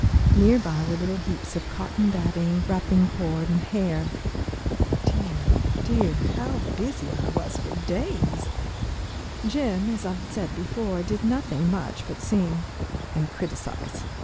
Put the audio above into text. Near by were little heaps of cotton batting, wrapping cord, and hair. Dear, dear, how busy I was for days! Jim, as I have said before, did nothing much but sing and criticise.